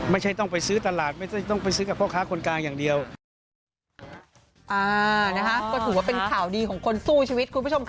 ไม่ใช่ต้องไปซื้อตลาดไม่ใช่ต้องไปซื้อกับพ่อค้าคนกลางอย่างเดียว